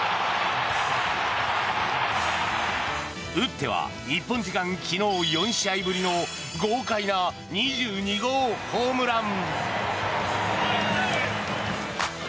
打っては日本時間昨日４試合ぶりの豪快な２２号ホームラン。